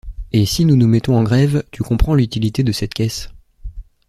Et, si nous nous mettons en grève, tu comprends l’utilité de cette caisse.